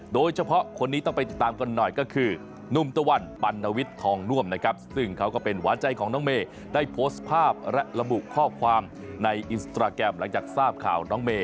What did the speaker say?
โดยเฉพาะคนนี้ต้องไปติดตามกันหน่อยก็คือนุ่มตะวันปัณวิทย์ทองน่วมนะครับซึ่งเขาก็เป็นหวานใจของน้องเมย์ได้โพสต์ภาพและระบุข้อความในอินสตราแกรมหลังจากทราบข่าวน้องเมย